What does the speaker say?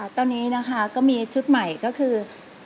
ตอนนี้นะคะก็มีชุดใหม่ก็คือ